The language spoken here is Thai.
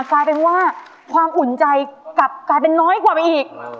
กลายเป็นว่าความอุ่นใจกลับกลายเป็นน้อยกว่าไปอีก